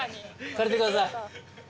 借りてください。